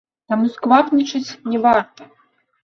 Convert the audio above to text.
Таму сквапнічаць не варта.